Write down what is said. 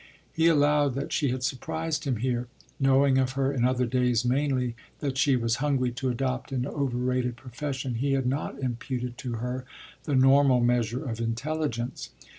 He allowed that she had surprised him here; knowing of her in other days mainly that she was hungry to adopt an overrated profession he had not imputed to her the normal measure of intelligence.